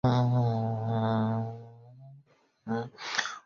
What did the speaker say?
担任安徽益益乳业有限公司董事长。